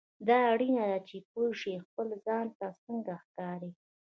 دا اړینه ده چې پوه شې خپل ځان ته څنګه ښکارې.